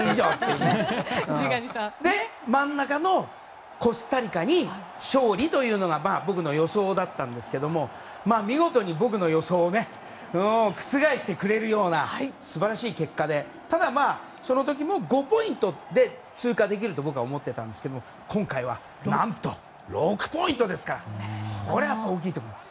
真ん中のコスタリカに勝利というのが僕の予想だったんですけども見事に僕の予想を覆してくれるような素晴らしい結果でただ、その時も５ポイントで通過できると僕は思っていたんですけど今回は何と６ポイントですからこれは大きいと思います。